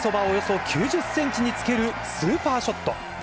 およそ９０センチにつけるスーパーショット。